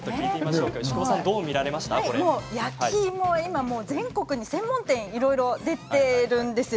焼き芋、今、全国に専門店がいろいろ出ています。